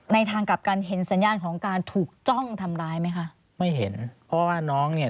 ทางกลับกันเห็นสัญญาณของการถูกจ้องทำร้ายไหมคะไม่เห็นเพราะว่าน้องเนี่ย